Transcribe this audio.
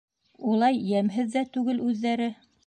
Улай йәмһеҙ ҙә түгел үҙҙәре.